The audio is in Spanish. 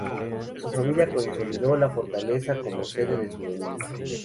La familia consolidó la fortaleza como sede de su dominio.